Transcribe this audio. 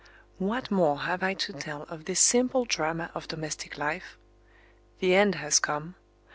What more have I to tell of this simple drama of domestic life? The end has come.